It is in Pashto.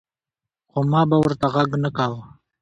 خو ما به ورته غږ نۀ کوۀ ـ